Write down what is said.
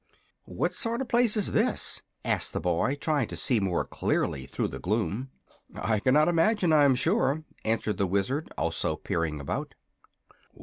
"What sort of a place is this?" asked the boy, trying to see more clearly through the gloom. "I cannot imagine, I'm sure," answered the Wizard, also peering about.